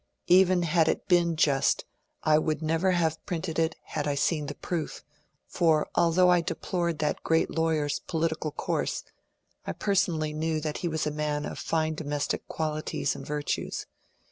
Even had it been just I would never have printed it had I seen the proof, for although I deplored that great lawyer's politi cal course, I personally knew that he was a man of fine domes tic qualities and virtues.